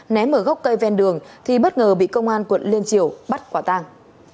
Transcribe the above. ném ở gốc cây ven đường thì bất ngờ bị công an quận liên triều bắt quả tàng